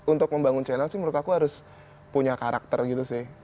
untuk membangun channel sih menurut aku harus punya karakter gitu sih